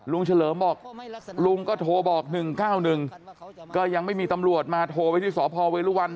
ลุงเฉลิมบอกลุงก็โทรบอกหนึ่งข้าวหนึ่งก็ยังไม่มีตำรวจมาโทรไว้ที่สอพอเวลวัน